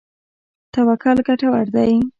توکل ګټور دی.